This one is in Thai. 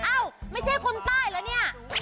เอ้าไม่ใช่คนใต้เหรอเนี่ย